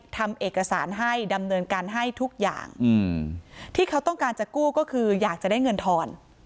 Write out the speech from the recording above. ทำเอกสารให้ดำเนินการให้ทุกอย่างที่เขาต้องการจะกู้ก็คืออยากจะได้เงินทอน